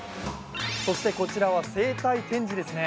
そしてこちらは生態展示ですね